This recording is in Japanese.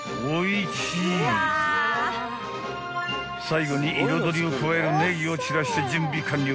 ［最後に彩りを加えるネギを散らして準備完了］